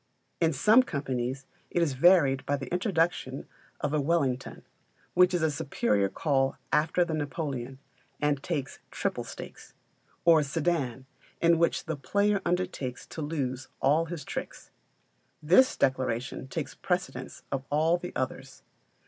In some companies it is varied by the introduction of a Wellington, which is a superior call after the Napoleon, and takes triple stakes; or a Sedan, in which the player undertakes to lose all his tricks. This declaration takes precedence of all the others.